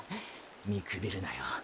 みくびるなよ